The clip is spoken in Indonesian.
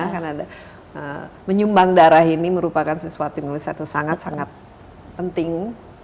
karena menyumbang darah ini merupakan sesuatu yang sangat sangat penting